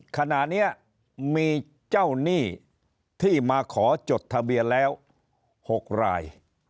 ขณะนี้มีเจ้าหนี้ที่มาขอจดทะเบียนแล้ว๖ราย